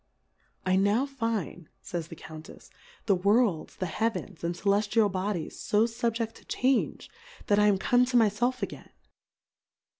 I now find, fays the Count efs^ the Worlds, the Heavens, and Celeftial Bodies fo fubjecl to change, that I am come to my felf again.